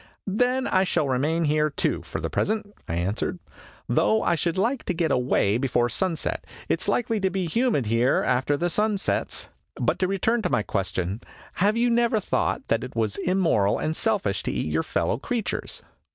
"Then I shall remain here, too, for the present," I answered, "though I should like to get away before sunset. It 's likely to be humid here after the sun sets. But, to return to my question, have you never thought that it was immoral and selfish to eat your fellow creatures